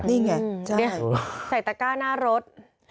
นี่ไงใส่ตะก้าหน้ารถ